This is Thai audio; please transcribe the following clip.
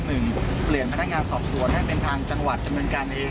เปลี่ยนพนักงานสอบสวนให้เป็นทางจังหวัดดำเนินการเอง